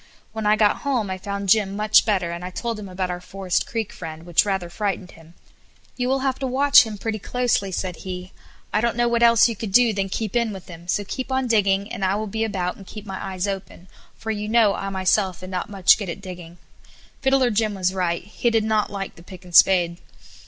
When I got home I found Jim much better, and I told him about our Forest Creek friend, which rather frightened him. "You will have to watch him pretty closely," said he. "I don't know what else you could do than keep in with him; so keep on digging, and I will be about and keep my eyes open, for you know I myself am not much good at digging." Fiddler Jim was right; he did not like the pick and spade.